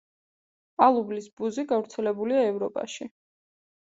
ალუბლის ბუზი გავრცელებულია ევროპაში.